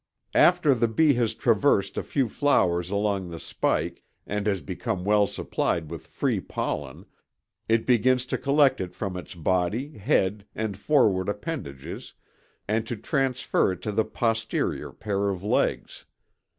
After the bee has traversed a few flowers along the spike and has become well supplied with free pollen it begins to collect it from its body, head, and forward appendages and to transfer it to the posterior pair of legs.